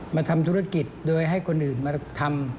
มาทำธุรกิจโดยให้คนอื่นมาทำ